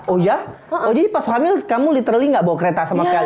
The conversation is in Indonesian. oh jadi pas hamil kamu literally gak bawa kereta sama sekali